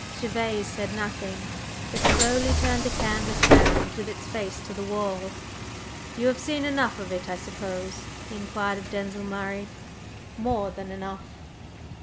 Gervase said nothing, but slowly turned the canvas round with its face to the wall. "You have seen enough of it, I suppose?" he inquired of Denzil Murray. "More than enough!"